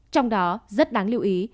trong đó rất đáng lưu ý